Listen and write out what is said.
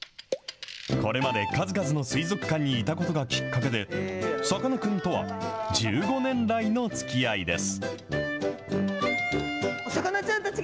これまで数々の水族館にいたことがきっかけで、さかなクンとは１５年来のつきあいです。